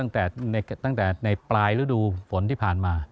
ตั้งแต่ในปลายฤดูฝนที่ผ่านมา